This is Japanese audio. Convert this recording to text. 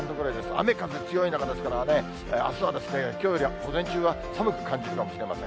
雨風強い中ですからね、あすはきょうより午前中は寒く感じるかもしれません。